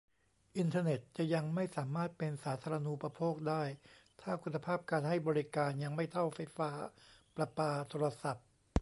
อินเทอร์เน็ตจะยังไม่สามารถเป็น 'สาธารณูปโภค' ได้ ถ้าคุณภาพการให้บริการยังไม่เท่าไฟฟ้าประปาโทรศัพท์